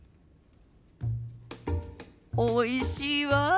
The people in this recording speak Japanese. おいしいわあ。